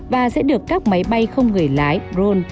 và sẽ được các máy bay không người lái rone